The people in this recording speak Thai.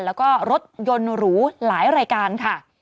แล้วก็รถยนต์หรูหลายรายการค่ะ